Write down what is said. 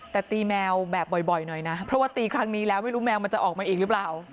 แต่ตีแมวแบบบ่อยหน่อยนะเพราะว่าตีครั้งนี้แล้วไม่รู้แมวมันจะออกมาอีกหรือเปล่า